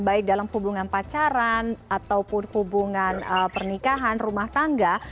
baik dalam hubungan pacaran ataupun hubungan pernikahan rumah tangga